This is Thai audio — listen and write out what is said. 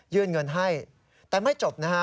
เงินให้แต่ไม่จบนะฮะ